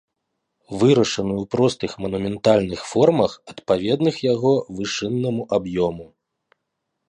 Вырашаны ў простых манументальных формах, адпаведных яго вышыннаму аб'ёму.